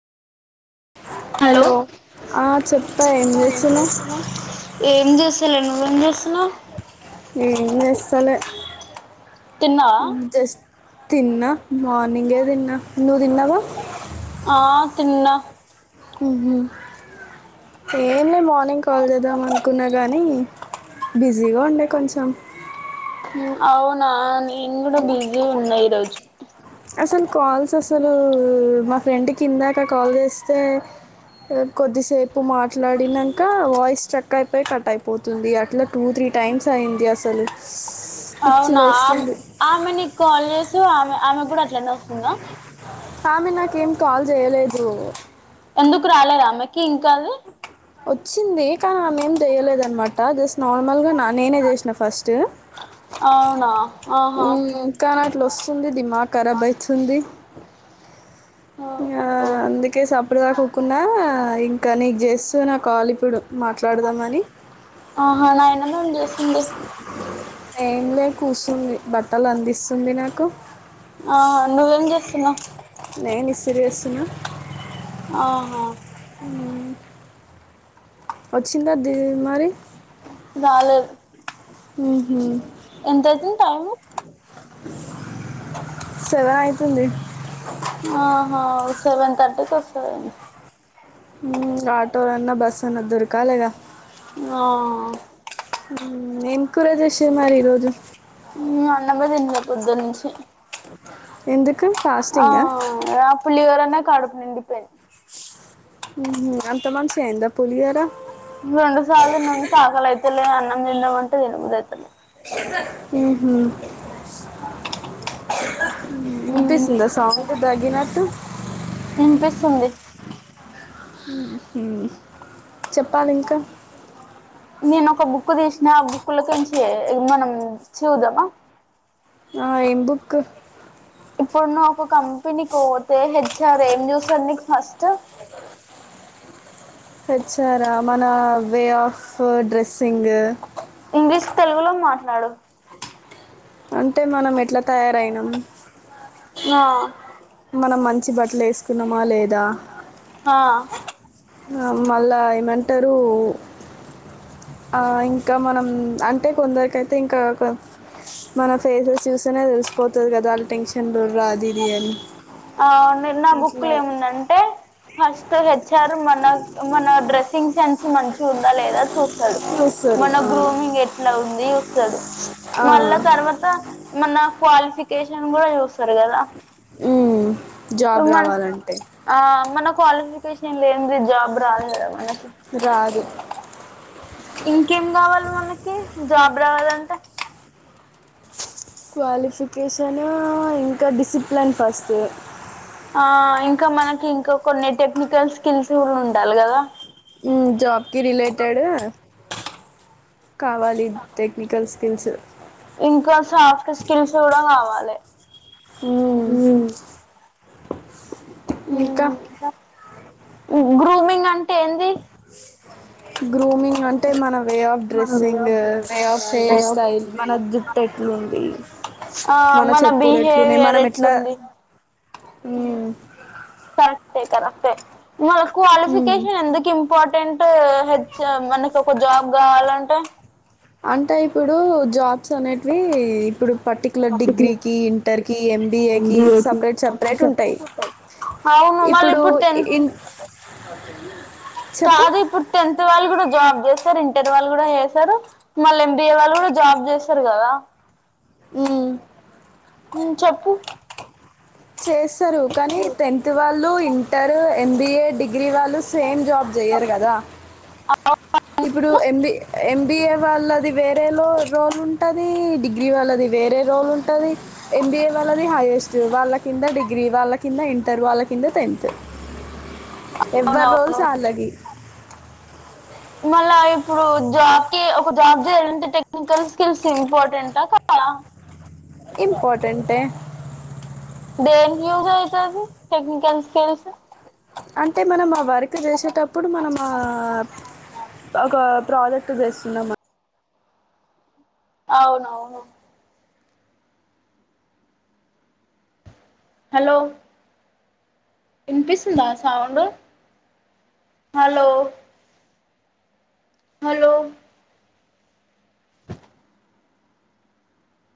Hello ఆ చెప్పా చరిత ఏం చేస్తున్నావు జెస్తున్నావ్ ఏం జెస్ తెల్లె నువ్వేం చే ఏంచేస్తాలే తిన్నావా జస్ట్ తిన్న మార్నింగే తిన్న నువ్వు తిన్నావా ఆ తిన్నా ఉహు ఏం లే మార్నింగ్ కాల్ చేద్దామనుకున్నా గానీ బిజీగా ఉండే కొంచెం అవునా నేను కూడా బిజీ ఉన్న ఈరోజు అస్సలు కాల్స్ అస్సలూ మా ఫ్రెండ్కి ఇందాక కాల్ చేస్తే కొద్దిసేపు మాట్లాడినంకా వాయిస్ చెక్ అయిపోయి కట్ అయిపోతుంది అట్లా టూ త్రీ టైమ్స్ అయిందస్సలూ అవునా అం ఆమె నీకు కాల్ చేసె ఆమె ఆమె కూడా అట్లనే వస్తుందా ఆమె నాకేం కాల్ చేయలే బ్రో ఎందుకు రాలేదు ఆమ్మెకి ఇంకాల్ వచ్చింది కానీ ఆమె ఏం చేయలేదన్మాట్ ట జస్ట్ నార్మల్ గా నేనే చేసిన ఫస్ట్ అవునా ఆహా ఉ కానీ అట్లొస్సుంది డిమాఖరాబ్ అయితుంది. ఆ ఓహో అందుకే సప్పుడు కాకూకున్నా ఇంకా నీకు జేస్సున్న కాల్ ఇప్పుడు మాట్లాడదామని ఆహా నైనంగాని జేస్తుంది ఏం లే కూస్సుంది బట్టలందిస్తుంది నాకు ఆ నువ్వేం చేస్తున్నావ్ నేను ఇస్తిరి జేస్తున్న ఆహా వచ్చిందా దివి మరి రాలేద్ ఉహు ఎంతైతుంది టైము సెవనైతుంది ఆహా సెవెన్ థర్టీకొస్తది ఏమో హు ఆటో అన్నా బస్ అన్నా దొర్కాలెగా ఆ మ్ ఏం కూర జెషిర్ మరి ఈ రోజు ఉ అన్నమే తిన్లే పొద్దనుంచి ఎందు ఆ పులిహోరనే కడుపు నిండిపోయింది. ఉహు అంత మంచిగైంద రెండు సార్లు తిన్నంకా ఆకలైతలే. అన్నం తిందాంమంటే తినబుదైతలే. ఉహు మ్మ్ ఇన్పిస్సుందా సౌండ్ దగ్గినట్టు ఇన్పిస్సుంది ఉహు చెప్పాలింకా నేను ఒక బుక్ తీసిన ఆ బుక్లకెంచి మనం చూదామా ఆ ఏం బుక్ ఇప్పుడు నువు ఒక కంపెనీకి వోతే హెచ్ఆర్ ఏం జూస్సడు నీకు ఫస్ట్ ట్ హెచ్ ఆర్ ఆ మన వే ఆఫ్ డ్రెస్సింగ్ ఇంగ్లీష్ తెలుగులో మాట్లాడు అంటే మనం ఎట్లా తయారైనం ఆ మనం మంచి బట్లేస్కున్నమా లేదా ఆ ఆ మళ్ళా ఏమంటరూ ఆ ఇంకా మనం అంటే కొందరికైతే ఇంకా ఒక మన ఫేసెస్ చూస్తేనే తెలిసిపోతది గదా వాళ్లు టెన్షన్లో ఉర్రా అది ఇది అని ఆ నిన్న బుక్ అట్లా లో ఏముందంటే ఫస్టది హెచ్ఆర్ మన మన డ్రెస్సింగ్ సెన్స్ మంచిగా ఉందా లేదా చూస్తడు. చూస్తారు మన ఆ. గ్రూమింగ్ ఎట్ల ఉంది స్తడు ఆ. మళ్ళా తర్వాత మన క్వాలిఫికేషన్ కూడా చూస్తరు గదా. మ్ మన్ ఆ మన క్వాలిఫికేషన్ లేనిది జాబ్ రాదు కదా మ రాదు ఇంకేం కావాలి మనకి జాబ్ రావాలంటే క్వాలిఫికేషన్ ఇంక డిస్సిప్లెన్ ఫస్ట్ ఆ ఇంకా మనకి ఇంకా కొన్ని టెక్నికల్ స్కిల్స్ కూడా ఉండాలి గదా మ్ జాబ్ కి రిలేటెడ్ కావాలి టెక్నికల్ స్కిల్స్ ఇంకా సాఫ్ట్ స్కిల్స్ కూడా కావాలే మ్ ఇంకా గ్రూమింగ్ అంటే ఏంది గ్రూమింగ్ అంటే మన way of dressing way of hair style మన జుట్టు ఎట్లుంది ఆ మన చెప్పులు ఎట్లున్నాయ్ బిహేవియర్ మనం ఎట్లా ఎట్లుంది మ్ కరెక్టే కరెక్టే మన మ్మ్. క్వాలిఫికేషన్ ఎందుకు ఇంపార్టెంట్ హెచ్ మనకి ఒక జాబ్ గావాలంటే అంటే ఇప్పుడు జాబ్స్ అనేటివి ఇప్పుడు పర్టికులర్ డిగ్రీకి ఇంటర్ కి ఎంబీఏకి సపరేట్ సపరేట్ ఉంటాయ్ అవును మళ్ళీ ఇప్పుడు ఇ టెన్త్ ఇన్ చెప్పు కాదు ఇప్పుడు టెన్త్ వాళ్ళు కూడా జాబ్ చే ఇంటర్ వాళ్ళు కూడా చేసరు మళ్ళ ఎంబీఏ వాళ్ళు కూడా జాబ్ చేస్తారు గదా మ్మ్. మ్ చెప్పు చేస్తారు కానీ టెన్త్ వాళ్ళు ఇంటర్ ఎం బీఏ డిగ్రీ వాళ్ళు సేమ్ జాబ్ జెయ్యరు గదా ఇప్పుడు ఎంబి ఎంబిఏ వాళ్ళది వేరేలో జాబ్ ఉంటది డిగ్రీ వాళ్ళది వేరే జాబ్ ఉంటది ఎంబీఏ వాళ్ళది హైయె ఫస్ట్ వాళ్ల కింద డిగ్రీ వాళ్ల కింద ఇంటర్ వాళ్ల కింద టెన్త్ అవునవును ఎవ్వరోల్స్ ఆల్లకి మళ్ల ఇప్పుడు జాబ్ కి ఒక జాబ్ చేయాలంటే టెక్నికల్ స్కిల్స్ ఇంపార్టెంటా కాద ఇంపార్టెంటే దేనికి యూస్ అయితది టెక్నికల్ స్కిల్స్ అంటే మనం ఆ వర్క్ జేసేటప్పుడు మనం ఆ ఒక ప్రాజెక్ట్ చేస్తున్నం మ అవునవును హలో వినిపిస్తుందా సౌండ్ హలో హలో